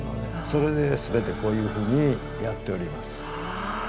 それで全てこういうふうにやっております。